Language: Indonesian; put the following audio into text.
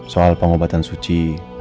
soal pengobatan suci